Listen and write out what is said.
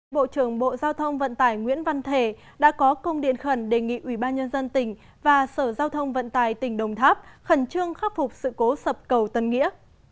bộ trưởng bộ giao thông vận tải nguyễn văn thể đã có công điện khẩn đề nghị ubnd tỉnh và sở giao thông vận tải tỉnh đồng tháp khẩn trương khắc phục sự cố sập cầu tân nghĩa